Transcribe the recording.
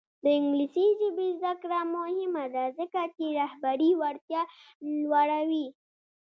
د انګلیسي ژبې زده کړه مهمه ده ځکه چې رهبري وړتیا لوړوي.